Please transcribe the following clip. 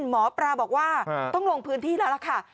หมอปลาบอกว่าต้องลงพื้นที่แล้วล่ะค่ะ